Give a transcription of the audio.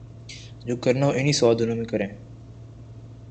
جو کرنا ہو انہی سو دنوں میں کریں۔